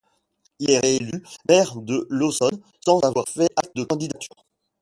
Il est réélu maire de Laussonne, sans avoir fait acte de candidature.